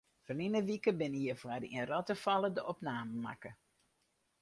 Ferline wike binne hjirfoar yn Rottefalle de opnamen makke.